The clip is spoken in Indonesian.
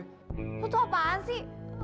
lo tuh apaan sih